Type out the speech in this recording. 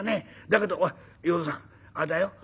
だけど淀さんあれだよ。